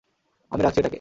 আমি রাখছি এটাকে।